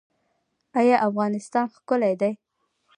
آیا افغانستان ښکلی دی؟